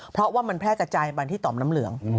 เพราะว่ามันแพร่กระจายไปที่ต่อมน้ำเหลือง